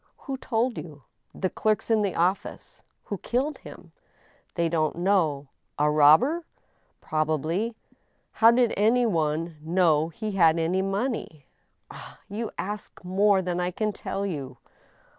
"Who told you?" "The clerks in the office." "Who killed him?" " They don't know." "A robber?" " Probably." " How did any one know he had any money? '*" Ah ! you ask more than I can tell you."